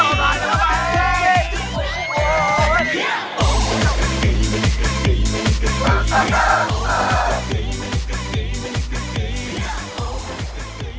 โอ๊ยโอ๊ยโอ้ย